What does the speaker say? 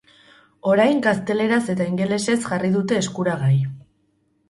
Orain gazteleraz eta ingelesez jarri dute eskuragai.